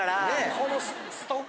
この。